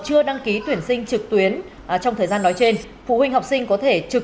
chưa đăng ký tuyển sinh trực tuyến trong thời gian nói trên phụ huynh học sinh có thể trực